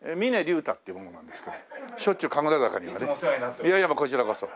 いやいやこちらこそ。